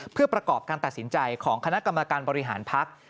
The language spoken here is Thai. เพื่อประกอบการตัดสินใจของคณะกรรมการบริหารพัก